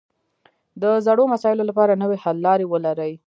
د زړو مسایلو لپاره نوې حل لارې ولري